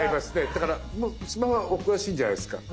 だからスマホはお詳しいんじゃないですか？